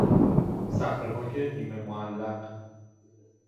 صخرههای نیمه معلق